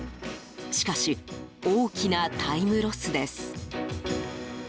しかし、大きなタイムロスです。